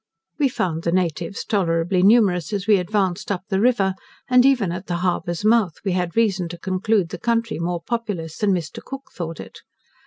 We found the natives tolerably numerous as we advanced up the river, and even at the harbour's mouth we had reason to conclude the country more populous than Mr. Cook thought it.